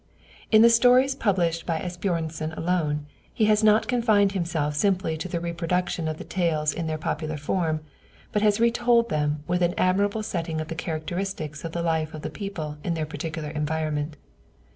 In the stories published by Asbjörnsen alone, he has not confined himself simply to the reproduction of the tales in their popular form, but has retold them with an admirable setting of the characteristics of the life of the people in their particular environment.